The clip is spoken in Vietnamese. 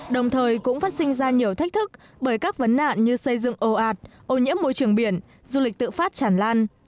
đồng thời cũng phát sinh ra nhiều thách thức bởi các vấn nạn như xây dựng ồ ạt ô nhiễm môi trường biển du lịch tự phát chản lan